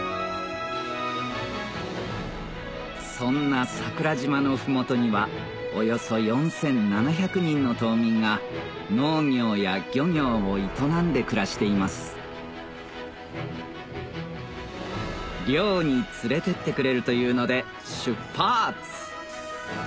そんな桜島の麓にはおよそ４７００人の島民が農業や漁業を営んで暮らしています漁に連れてってくれるというので出発！